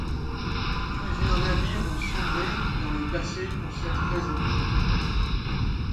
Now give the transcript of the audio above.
Plusieurs navires ont sombré dans le passé pour cette raison.